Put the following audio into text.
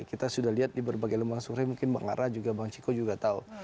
kita sudah lihat di berbagai lembaga survei mungkin bang ara juga bang ciko juga tahu